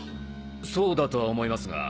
そうだとは思いますが。